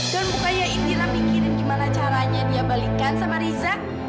dan bukannya indira mikirin gimana caranya dia balikan sama riza